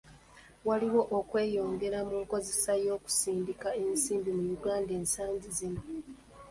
Waliwo okweyongera mu nkozesa y'okusindika ensimbi mu Uganda ensangi zino.